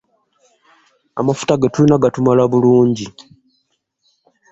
Amafuta ge tulina gatumala bulungi.